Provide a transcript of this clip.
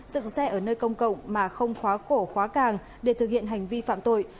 dựng xe ở nơi công cộng mà không khóa cổ khóa càng để thực hiện hành vi phạm tội